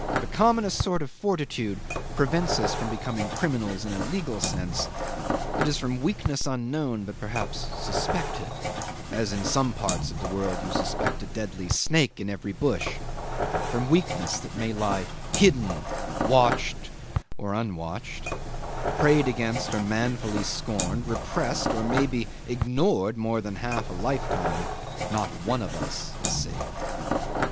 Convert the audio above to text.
The commonest sort of fortitude prevents us from becoming criminals in a legal sense; it is from weakness unknown, but perhaps suspected, as in some parts of the world you suspect a deadly snake in every bush from weakness that may lie hidden, watched or unwatched, prayed against or manfully scorned, repressed or maybe ignored more than half a lifetime, not one of us is safe.